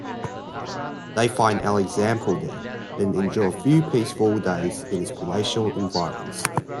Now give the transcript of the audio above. They find Alexample there, and endure a few peaceful days in its palatial environs.